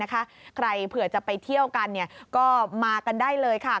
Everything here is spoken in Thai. ใครเผื่อจะไปเที่ยวกันก็มากันได้เลยค่ะ